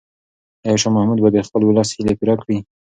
آیا شاه محمود به د خپل ولس هیلې پوره کړي؟